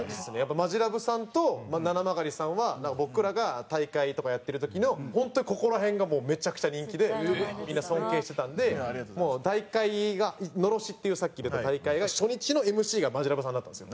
マヂラブさんとななまがりさんは僕らが大会とかやってる時の本当にここら辺がもうめちゃくちゃ人気でみんな尊敬してたんで大会がＮＯＲＯＳＨＩっていうさっき出た大会が初日のＭＣがマヂラブさんだったんですよ。